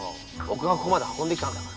僕がここまで運んできたんだから。